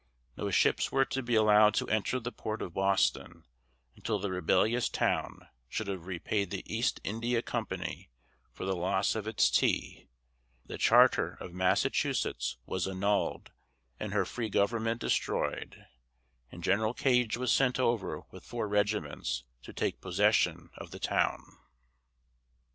No ships were to be allowed to enter the port of Boston until the rebellious town should have repaid the East India Company for the loss of its tea; the charter of Massachusetts was annulled and her free government destroyed; and General Gage was sent over with four regiments to take possession of the town.